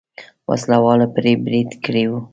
وسله والو پرې برید کړی و.